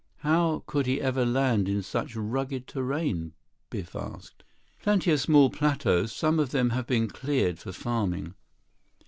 "How could he ever land in such rugged terrain?" Biff asked. "Plenty of small plateaus. Some of them have been cleared for farming."